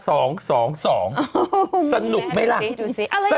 โอ้โฮมีแรงดีดูสิ